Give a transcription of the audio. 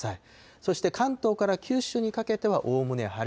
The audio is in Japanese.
そして関東から九州にかけてはおおむね晴れ。